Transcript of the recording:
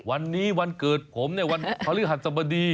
วันนี้วันเกิดผมเนี่ยวันพระฤษฎสมดี